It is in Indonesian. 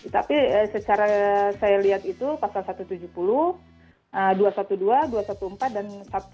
tapi secara saya lihat itu pasal satu ratus tujuh puluh dua ratus dua belas dua ratus empat belas dan satu ratus dua belas